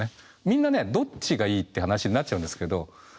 みんなねどっちがいいって話になっちゃうんですけど。